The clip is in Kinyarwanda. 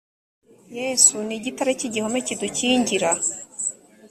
yesu ni igitare cy’ igihome kidukingira